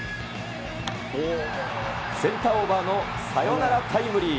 センターオーバーのサヨナラタイムリー。